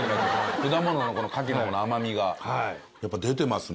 果物の柿のこの甘みがやっぱ出てますね。